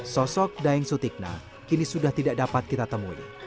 sosok daeng sutikna kini sudah tidak dapat kita temui